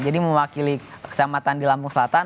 jadi mewakili kecamatan di lampung selatan